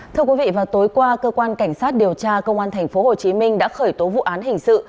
thưa quý vị vào tối qua cơ quan cảnh sát điều tra công an tp hcm đã khởi tố vụ án hình sự